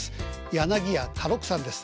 柳家花緑さんです。